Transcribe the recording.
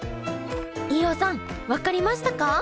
飯尾さん分かりましたか？